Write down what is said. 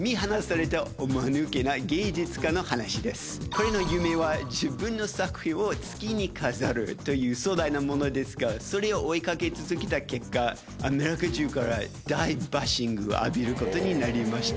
彼の夢は自分の作品を月に飾るという壮大なものですがそれを追いかけ続けた結果アメリカ中から大バッシングを浴びることになりました。